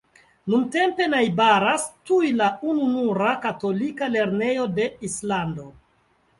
Nuntempe najbaras tuj la ununura katolika lernejo de Islando.